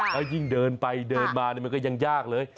แล้วยิ่งเดินไปเดินมามันก็ยังยากเลย